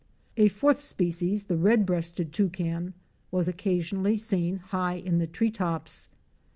A fourth species, the Red breasted Toucan * was occasion ally seen high in the tree tops.